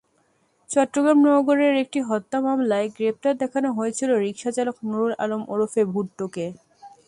চট্টগ্রাম নগরের একটি হত্যা মামলায় গ্রেপ্তার দেখানো হয়েছিল রিকশাচালক নুরুল আলম ওরফে ভুট্টোকে।